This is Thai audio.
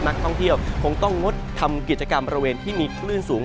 นักท่องเที่ยวคงต้องงดทำกิจกรรมบริเวณที่มีคลื่นสูง